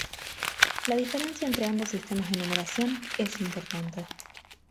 La diferencia entre ambos sistemas de numeración es importante.